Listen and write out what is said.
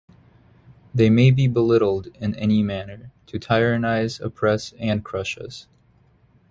They may be billeted in any manner - to tyrannize, oppress, and crush us.